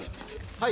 はい。